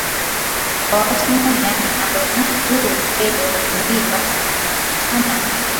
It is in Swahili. kwa wakati mmoja Yani anapo inua mguu wa mbele wa kulia basi hufuatana na